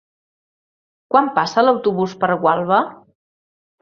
Quan passa l'autobús per Gualba?